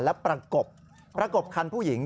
แล้วประกบคันผู้หญิง